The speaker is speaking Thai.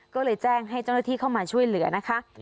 ก็เลยแจ้งให้เจ้าหน้าที่เข้ามาช่วยเหลือนะคะ